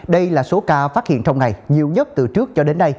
đây là số ca phát hiện trong ngày nhiều nhất từ trước cho đến nay